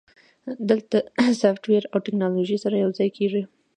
دلته سافټویر او ټیکنالوژي سره یوځای کیږي.